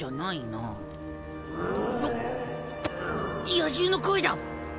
野獣の声だ。